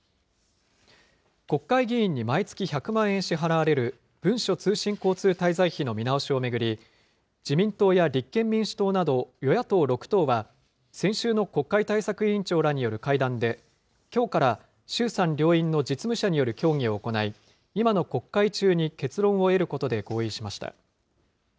国会議員に毎月１００万円支払われる文書通信交通滞在費の見直しを巡り、自民党や立憲民主党など与野党６党は、先週の国会対策委員長らによる会談で、きょうから衆参両院の実務者による協議を行い、今の国会中に結論を得ることで合意しました。